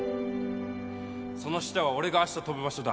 その下は俺があした跳ぶ場所だ